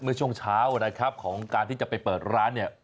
เมื่อช่วงเช้านะครับของการที่จะไปเปิดร้านเนี่ย